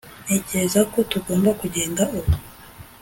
ntekereza ko tugomba kugenda ubu